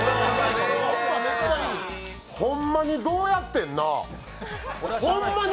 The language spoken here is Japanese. ほんまにどうやってんな？